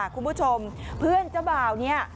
คุณผู้ชมเพื่อนชาวบ้านเนี่ย